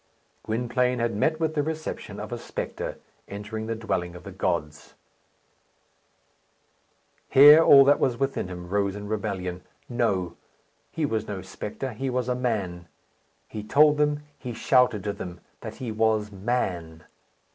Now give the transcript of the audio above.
Gwynplaine had met with the reception of a spectre entering the dwelling of the gods. Here all that was within him rose in rebellion. No, he was no spectre; he was a man. He told them, he shouted to them, that he was Man.